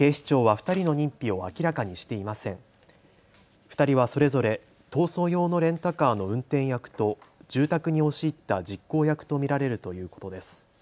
２人はそれぞれ逃走用のレンタカーの運転役と住宅に押し入った実行役と見られるということです。